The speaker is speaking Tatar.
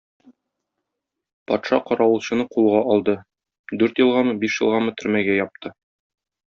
Патша каравылчыны кулга алды, дүрт елгамы, биш елгамы төрмәгә япты.